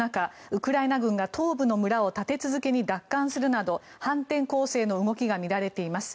ウクライナ軍が東部の村を立て続けに奪還するなど反転攻勢の動きが見られています。